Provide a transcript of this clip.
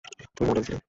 তুমি মডেল ছিলে।